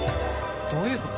どういうこと？